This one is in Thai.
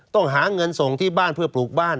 ต้องหาเงินส่งที่บ้านเพื่อปลูกบ้าน